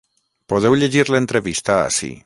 Podeu llegir l’entrevista ací.